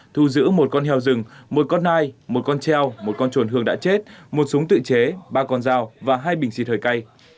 thu giữ một con heo rừng một con ai một con treo một con chuồn hương đã chết một súng tự chế ba con dao và hai bình xịt hơi cay